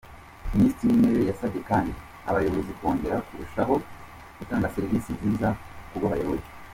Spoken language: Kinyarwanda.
Minisitiri w’Intebe yasabye kandi abayobozi kongera kurushaho gutanga serivisi nziza ku bo bayobora.